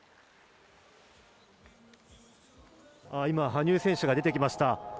今、羽生選手が出てきました。